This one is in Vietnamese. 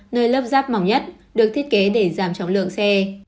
nơi lớp rác mỏng nhất được thiết kế để giảm chóng lượng xe